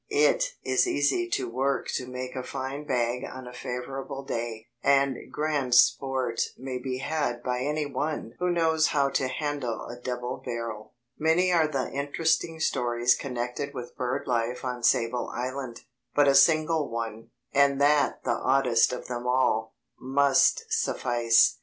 It is easy work to make a fine bag on a favourable day, and grand sport may be had by any one who knows how to handle a double barrel. Many are the interesting stories connected with bird life on Sable Island, but a single one, and that the oddest of them all, must suffice.